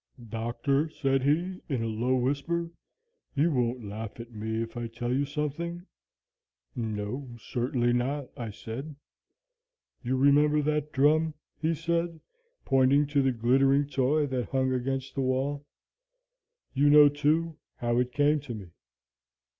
"'Doctor,' said he, in a low whisper, 'you won't laugh at me if I tell you something?' "'No, certainly not,' I said. "'You remember that drum?' he said, pointing to the glittering toy that hung against the wall. 'You know, too, how it came to me.